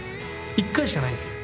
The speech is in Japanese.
１回しかないんですよ。